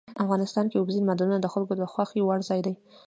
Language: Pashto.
افغانستان کې اوبزین معدنونه د خلکو د خوښې وړ ځای دی.